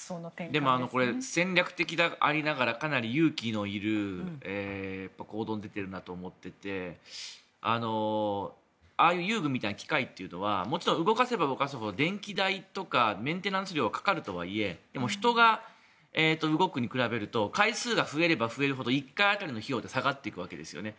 でもこれ戦略的でありながらかなり勇気のいる行動に出ているなと思っていてああいう遊具みたいな機械は動かせば動かすほど電気代とかメンテナンス料がかかるとはいえでも、人が動くに比べると回数が増えれば増えるほど１回当たりの費用って下がっていくわけですね。